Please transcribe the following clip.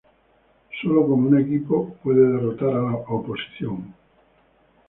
Sólo como un equipo puede derrotar a la oposición.